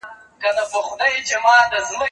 زه به سبا تمرين کوم!.